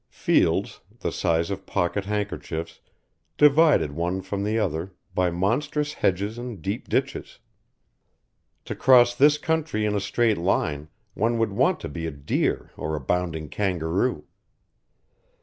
Fields, the size of pocket handkerchiefs, divided one from the other by monstrous hedges and deep ditches. To cross this country in a straight line one would want to be a deer or a bounding kangaroo.